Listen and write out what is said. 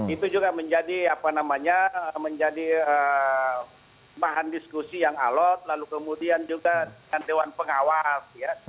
itu juga menjadi apa namanya menjadi bahan diskusi yang alot lalu kemudian juga dengan dewan pengawas